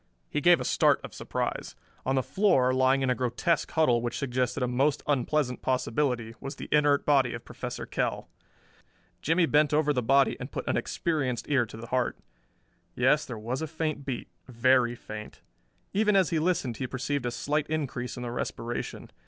He gave a start of surprise. On the floor, lying in a grotesque huddle which suggested a most unpleasant possibility, was the inert body of Professor Kell. Jimmie bent over the body and put an experienced ear to the heart. Yes, there as a faint beat very faint. Even as he listened he perceived a slight increase in the respiration.